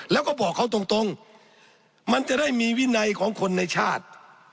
แล้วก็บอกเขาตรงมันจะได้มีวินัยของคนในชาติ